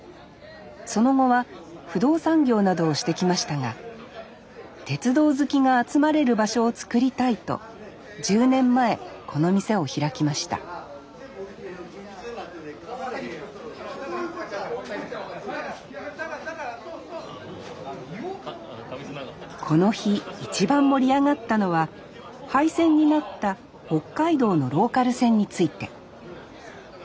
その後は不動産業などをしてきましたが鉄道好きが集まれる場所を作りたいと１０年前この店を開きましたこの日一番盛り上がったのは廃線になった北海道のローカル線について。